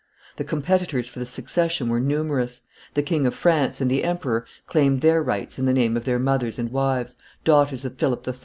The competitors for the succession were numerous; the King of France and the emperor claimed their rights in the name of their mothers and wives, daughters of Philip III.